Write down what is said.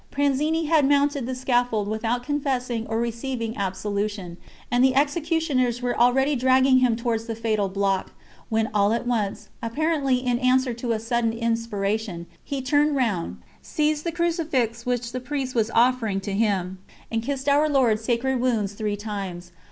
Pranzini had mounted the scaffold without confessing or receiving absolution, and the executioners were already dragging him towards the fatal block, when all at once, apparently in answer to a sudden inspiration, he turned round, seized the crucifix which the Priest was offering to him, and kissed Our Lord's Sacred Wounds three times.